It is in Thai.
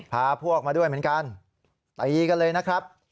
พาพวกมาด้วยเหมือนกันตีกันเลยนะครับ